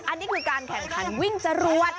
อันนี้คือการแข่งขันวิ่งจรวด